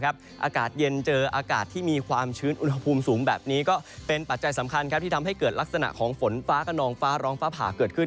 อากาศเย็นเจออากาศที่มีความชื้นอุณหภูมิสูงแบบนี้ก็เป็นปัจจัยสำคัญที่ทำให้เกิดลักษณะของฝนฟ้าขนองฟ้าร้องฟ้าผ่าเกิดขึ้น